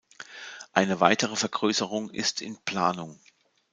Eine weitere Vergrößerung ist in Planung.